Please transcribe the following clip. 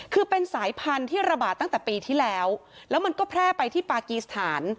คือเป็นสายพันธุ์ที่ระบาดตั้งแต่ปีที่แล้วแล้วมันก็แพร่ไปที่ปากีสถาน